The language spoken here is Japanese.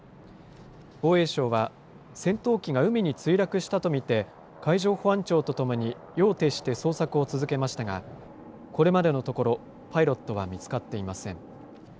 防衛省は、戦闘機が海に墜落したと見て、海上保安庁とともに、夜を徹して捜索を続けましたが、これまでのところ、パイロットは見つかっていません。